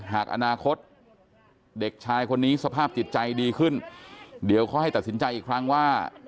หากอนาคตเด็กชายคนนี้สภาพจิตใจดีขึ้นเดี๋ยวเขาให้ตัดสินใจอีกครั้งว่า